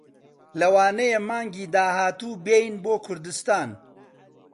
لەوانەیە مانگی داهاتوو بێین بۆ کوردستان.